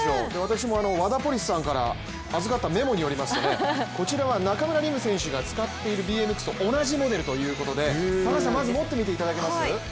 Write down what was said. ワダポリスさんから預かったメモによりますとこちらは中村輪夢選手が使っているＢＭＸと同じモデルということでまず持っていただけます？